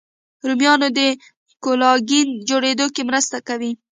رومیان د کولاګین جوړېدو کې مرسته کوي